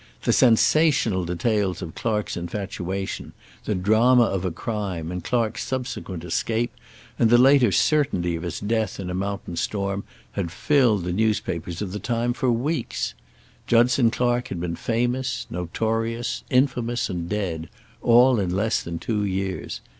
The sensational details of Clark's infatuation, the drama of a crime and Clark's subsequent escape, and the later certainty of his death in a mountain storm had filled the newspapers of the time for weeks. Judson Clark had been famous, notorious, infamous and dead, all in less than two years.